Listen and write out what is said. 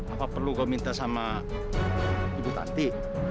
apa perlu gua minta sama ibu tante